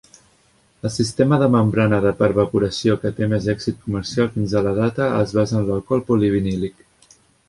El sistema de membrana de pervaporació que té més èxit comercial fins a la data es basa en l'alcohol polivinílic.